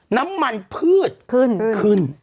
น้ำมันพืชขึ้น